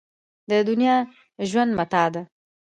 د دنیا ژوند متاع ده.